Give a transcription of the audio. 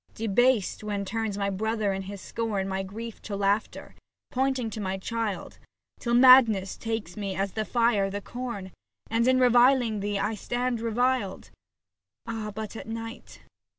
Debased, when turns my brother in his scorn My grief to laughter, pointing to my child ; Till madness takes me as the fire the corn 70 SAPPHO TO PHAON And, in reviling thee, I stand reviled. Ah ! but at night.